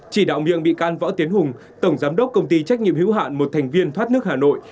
chỉ đạo miệng bị can võ tiến hùng tổng giám đốc công ty trách nhiệm hữu hạn một thành viên thoát nước hà nội